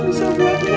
bisa makan senyum